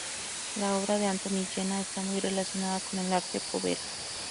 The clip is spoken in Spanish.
La obra de Antoni Llena está muy relacionada con el arte povera.